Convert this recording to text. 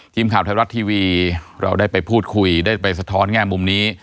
ทีมข่าวไทยรัฐทีวีเราได้ไปพูดคุยได้ไปสะท้อนแง่มุมนี้